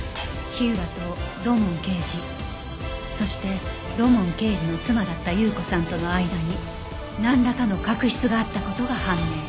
火浦と土門刑事そして土門刑事の妻だった有雨子さんとの間になんらかの確執があった事が判明